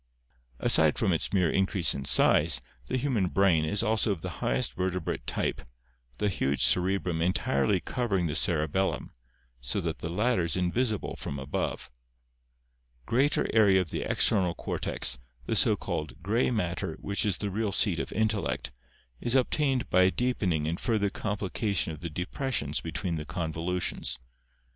Aside from its mere increase in size, the human brain (see Fig. 241) is also of the highest vertebrate type, the huge cerebrum entirely covering the cerebellum, so that the latter is invisible from above. Greater area of the external cortex, the so called "gray matter" which is the real seat of intellect, is obtained by a deepen ing and further complication of the depressions between the convolutions.